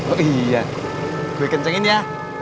oh iya gue kencengin ya